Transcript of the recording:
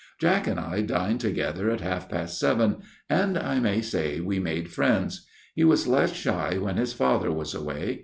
" Jack and I dined together at half past seven, and, I may say, we made friends. He was less shy when his father was away.